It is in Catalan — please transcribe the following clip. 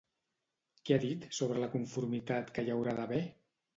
Què ha dit sobre la conformitat que hi haurà d'haver?